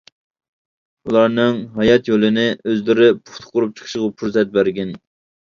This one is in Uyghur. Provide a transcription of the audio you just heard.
ئۇلارنىڭ ھايات يولىنى ئۆزلىرى پۇختا قۇرۇپ چىقىشىغا پۇرسەت بەرگىن!